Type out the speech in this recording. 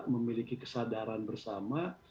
memiliki kesadaran bersama